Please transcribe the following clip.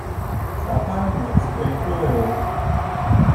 Sapphire makes great jewellery.